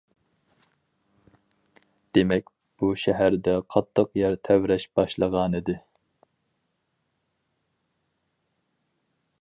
دېمەك، بۇ شەھەردە قاتتىق يەر تەۋرەش باشلىغانىدى.